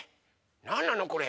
なんなのこれ？